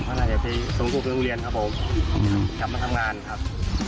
ของนักแทะพี่สงกวนการเรียนครับผมกลับมาทำงานครับ